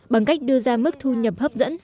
bằng cách đưa ra mức thu nhập hấp dẫn